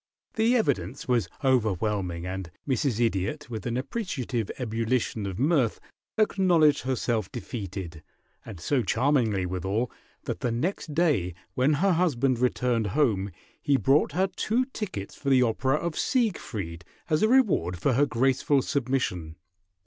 The evidence was overwhelming, and Mrs. Idiot, with an appreciative ebullition of mirth, acknowledged herself defeated, and so charmingly withal, that the next day when her husband returned home he brought her two tickets for the opera of Siegfried as a reward for her graceful submission.